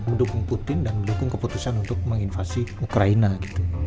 mendukung putin dan mendukung keputusan untuk menginvasi ukraina gitu